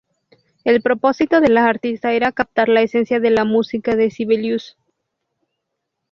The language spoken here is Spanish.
El propósito de la artista era captar la esencia de la música de Sibelius.